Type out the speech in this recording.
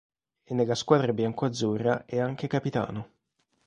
E nella squadra biancoazzurra è anche capitano.